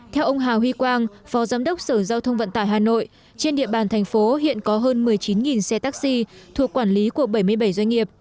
theo ông hà huy quang phó giám đốc sở giao thông vận tải hà nội trên địa bàn thành phố hiện có hơn một mươi chín xe taxi thuộc quản lý của bảy mươi bảy doanh nghiệp